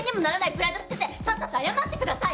プライド捨ててさっさと謝ってください。